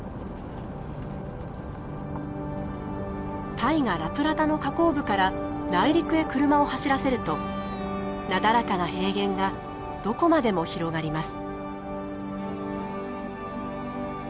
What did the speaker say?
大河ラプラタの河口部から内陸へ車を走らせるとなだらかな平原がどこまでも広がります。